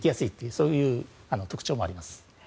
そういう特徴もあります。